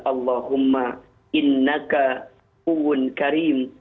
allahumma innaka u'un karim